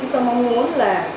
chất lượng không khí như thế nào